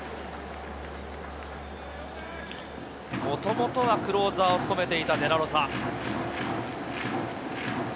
もともとはクローザーを務めていたデラロサ。